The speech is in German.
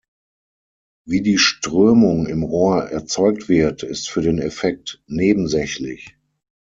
Wie die Strömung im Rohr erzeugt wird, ist für den Effekt nebensächlich.